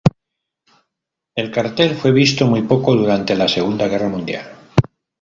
El cartel fue visto muy poco durante la Segunda Guerra Mundial.